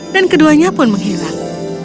dan keduanya pun menghilang